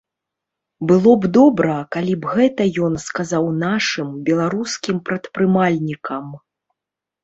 Было б добра, калі б гэта ён сказаў нашым, беларускім прадпрымальнікам.